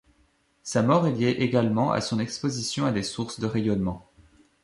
Sa mort est liée également à son exposition à des sources de rayonnement.